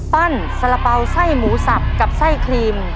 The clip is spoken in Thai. สละเป๋าไส้หมูสับกับไส้ครีม